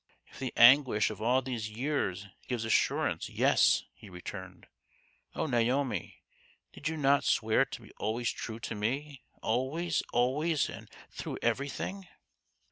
" If the anguish of all these years gives assurance, yes," he returned. " Oh, Naomi, did you not swear to be always true to me ? always, always, and through everything?"